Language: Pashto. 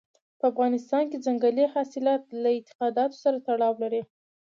په افغانستان کې ځنګلي حاصلات له اعتقاداتو سره تړاو لري.